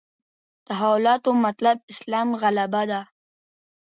تحولاتو مطلب اسلام غلبه ده.